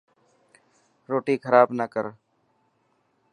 روٽي خراب نه ڪر.